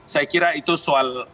saya kira itu soal